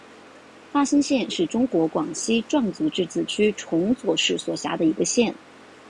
大新县是中国广西壮族自治区崇左市所辖的一个县。